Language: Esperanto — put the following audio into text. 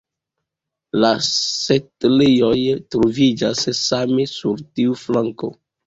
La setlejoj troviĝas same sur tiu flanko.